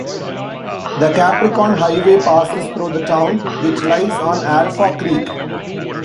The Capricorn Highway passes through the town, which lies on Alpha Creek.